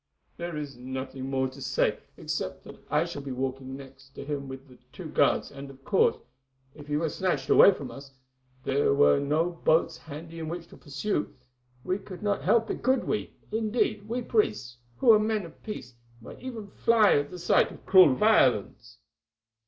"There is nothing more to say, except that I shall be walking near to him with the two guards, and, of course, if he were snatched away from us, and there were no boats handy in which to pursue, we could not help it, could we? Indeed, we priests, who are men of peace, might even fly at the sight of cruel violence."